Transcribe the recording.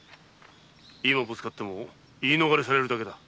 今ぶつかっても言い逃れされるだけだ。